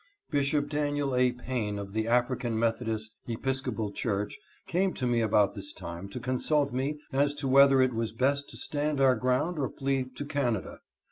Bishop Daniel A. Payne of the African Methodist Episcopal Church came to me about this time to consult me as to whether it was best to stand our ground or flee to Canada.